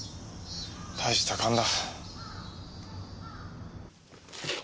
大した勘だ。